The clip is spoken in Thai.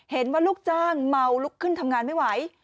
เห็นว่าลูกจ้างเมาลูกขึ้นทำงานไม่ไหว